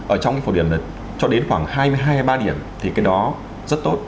ở trong cái phổ điểm này cho đến khoảng hai mươi hai hai mươi ba điểm thì cái đó rất tốt